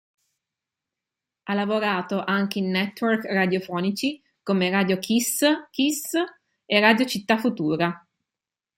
Ha lavorato anche in network radiofonici come "Radio Kiss Kiss" e "Radio Città Futura".